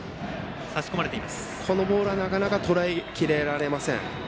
このボールはなかなかとらえきれません。